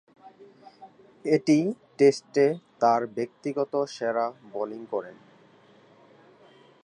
এটিই টেস্টে তার ব্যক্তিগত সেরা বোলিং করেন।